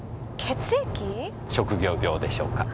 職業病でしょうか？